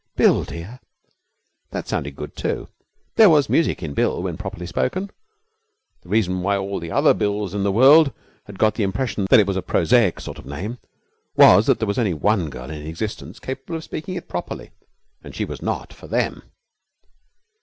'Bill, dear!' That sounded good too. There was music in 'Bill' when properly spoken. The reason why all the other Bills in the world had got the impression that it was a prosaic sort of name was that there was only one girl in existence capable of speaking it properly, and she was not for them.